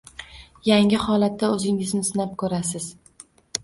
yangi holatda o’zingizni sinab ko’rasiz